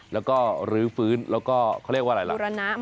แล้วก็รื้อฟื้นแล้วก็เขาเรียกว่าอะไรล่ะบุรณะ